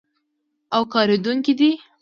او کارېدونکی دی.